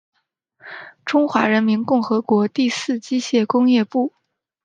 中华人民共和国第四机械工业部。